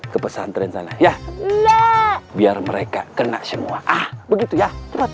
ke pesantren sana ya biar mereka kena semua ah begitu ya